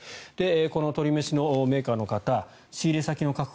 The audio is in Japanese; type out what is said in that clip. この鶏めしのメーカーの方仕入れ先の確保